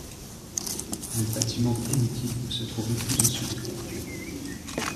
Le bâtiment primitif se trouvait plus au sud que l'actuel.